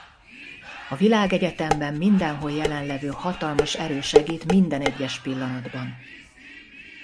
A világegyetemben mindenhol jelen levő hatalmas erő segít minden egyes pillanatban.